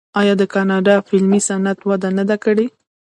آیا د کاناډا فلمي صنعت وده نه ده کړې؟